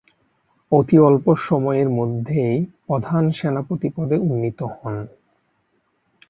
অতি অল্প সময়ের মধ্যেই প্রধান সেনাপতি পদে উন্নীত হন।